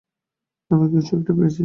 আমি কিছু একটা পেয়েছি!